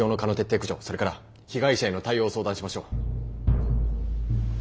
それから被害者への対応を相談しましょう。